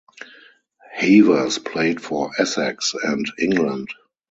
Havers played for Essex and England.